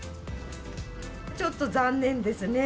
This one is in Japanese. ちょっと残念ですね。